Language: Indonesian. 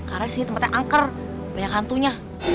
karena disini tempatnya angker banyak hantunya